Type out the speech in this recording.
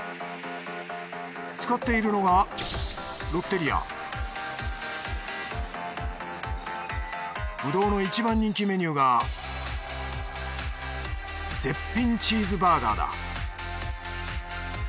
使っているのが不動の一番人気メニューが絶品チーズバーガーだ。